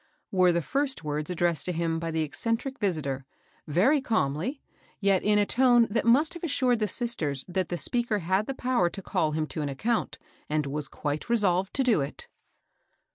were the first words addressed to him by the eccen* \ BASBABA STRAND. 40S trie visitor, very calmly, yet in a tone that must have assured the sisters that the speaker had the power to call him to an account, and was quite resolved to do it.